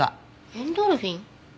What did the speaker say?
エンドルフィン？